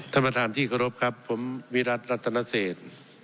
ท่านประธานที่เคารพครับผมวิรัติรัตนเศษ